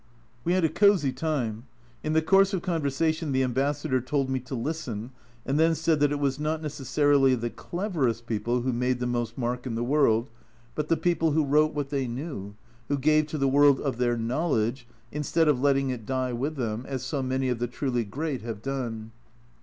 We had a cosy time ; in the course of conversation the Ambassador told me to listen, and then said that it was not necessarily the cleverest people who made the most mark in the world, but the people who wrote what they knew, who gave to the world of their knowledge, instead of letting it die with them, as so many of the truly great have done.